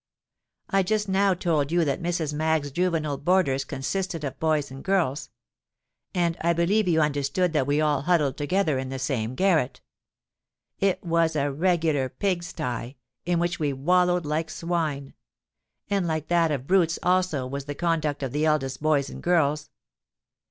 I just now told you that Mrs. Maggs's juvenile boarders consisted of boys and girls; and I believe you understood that we all huddled together in the same garret. It was a regular pig sty, in which we wallowed like swine: and like that of brutes also was the conduct of the eldest boys and girls.